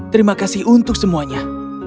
terima kasih untuk semuanya